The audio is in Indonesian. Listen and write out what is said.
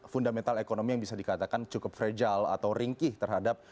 fundamental ekonomi yang bisa dikatakan cukup fragile atau ringkih terhadap